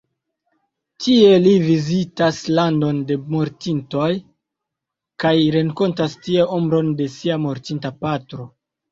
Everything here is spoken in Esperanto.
Tie li vizitas Landon de Mortintoj kaj renkontas tie ombron de sia mortinta patro.